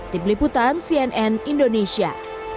di peliputan cnn indonesia